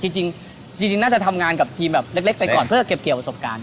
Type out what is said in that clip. จริงน่าจะทำงานกับทีมแบบเล็กไปก่อนเพื่อเก็บเกี่ยวประสบการณ์